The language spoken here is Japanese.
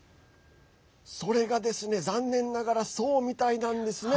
それがですね、残念ながらそうみたいなんですね。